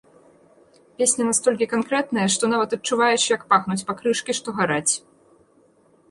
Песня настолькі канкрэтная, што нават адчуваеш, як пахнуць пакрышкі, што гараць.